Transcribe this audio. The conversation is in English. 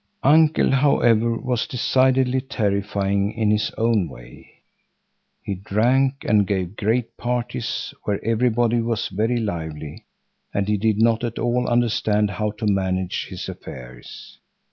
Uncle, however, was decidedly terrifying in his own way. He drank, and gave great parties, where everybody was very lively, and he did not at all understand how to manage his affairs.